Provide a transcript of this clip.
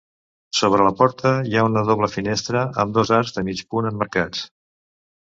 Sobre la porta hi ha una doble finestra, amb dos arcs de mig punt emmarcats.